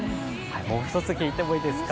もう一つ聞いていいんですか。